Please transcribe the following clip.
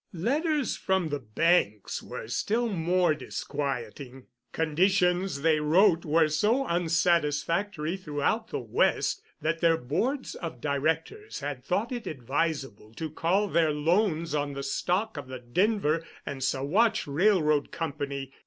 Letters from the banks were still more disquieting. Conditions, they wrote, were so unsatisfactory throughout the West that their boards of directors had thought it advisable to call their loans on the stock of the Denver and Saguache Railroad Company.